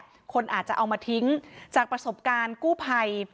คนอาจจะเอามาทิ้งจากประสบการณ์กู้ภัย